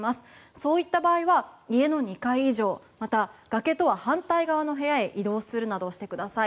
そういった場合は家の２階以上また崖とは反対側の部屋へ移動するなどしてください。